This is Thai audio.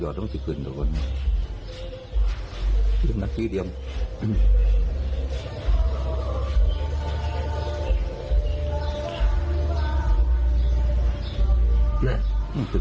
จะพี่ฝรียัง